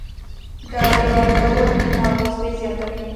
ډالۍ ورکول مینه او دوستي زیاتوي.